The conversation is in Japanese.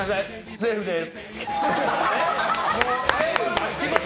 セーフです。